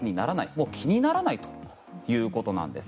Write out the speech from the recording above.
もう気にならないということです。